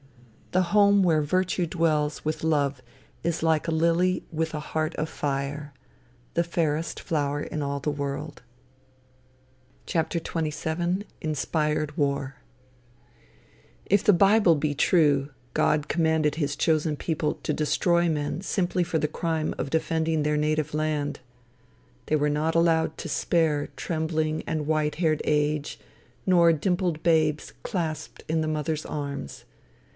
The home where virtue dwells with love is like a lily with a heart of fire the fairest flower in all the world. XXVII. "INSPIRED" WAR If the bible be true, God commanded his chosen people to destroy men simply for the crime of defending their native land. They were not allowed to spare trembling and white haired age, nor dimpled babes clasped in the mothers' arms.